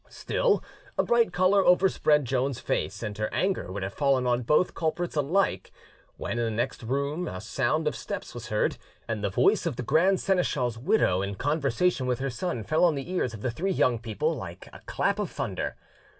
Still, a bright colour overspread Joan's face, and her anger would have fallen on both culprits alike, when in the next room a sound of steps was heard, and the voice of the grand seneschal's widow in conversation with her son fell on the ears of the three young people like a clap of thunder.